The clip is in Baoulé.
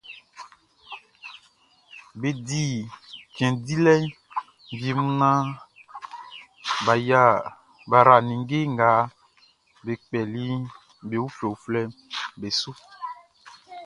Be di cɛn dilɛ wie mun naan bʼa yra ninnge nga be kpɛli be uflɛuflɛʼn be su.